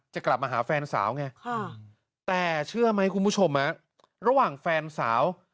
จะกลับมาหาแฟนสาวไงแต่เชื่อไหมคุณผู้ชมระหว่างแฟนสาว